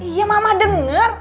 iya mama denger